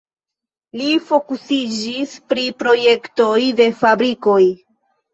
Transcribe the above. Li fokusiĝis pri projektoj de fabrikoj.